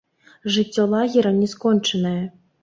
Жыццё лагера не скончанае.